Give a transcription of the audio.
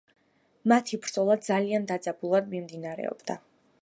მათი ბრძოლა ძალიან დაძაბულად მიმდინარეობდა.